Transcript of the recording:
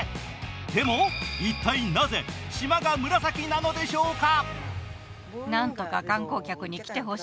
でも、一体なぜ、島が紫なのでしょうか。